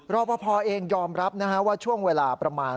รอปภเองยอมรับว่าช่วงเวลาประมาณ